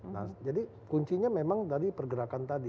nah jadi kuncinya memang tadi pergerakan tadi